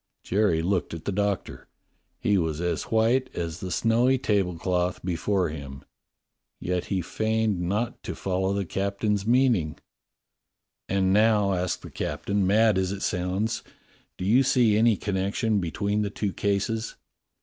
'" Jerry looked at the Doctor. He was as white as the snowy tablecloth before him. Yet he still feigned not to quite follow the captain's meaning. "And now," asked the captain, "mad as it sounds, do you see any connection between the two cases?